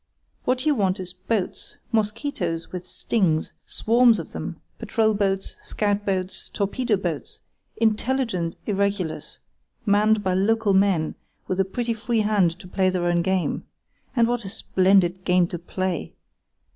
What you want is boats—mosquitoes with stings—swarms of them—patrol boats, scout boats, torpedo boats; intelligent irregulars manned by local men, with a pretty free hand to play their own game. And what a splendid game to play!